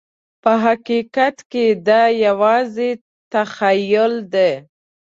په حقیقت کې دا یوازې تخیل دی.